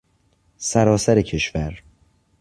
سراسر کشور